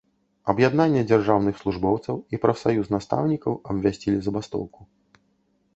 Аб'яднанне дзяржаўных службоўцаў і прафсаюз настаўнікаў абвясцілі забастоўку.